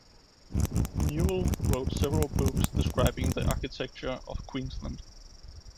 Newell wrote several books describing the architecture of Queensland.